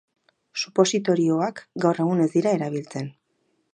Supositorioak gaur egun ez dira erabiltzen.